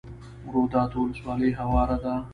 روداتو ولسوالۍ هواره ده؟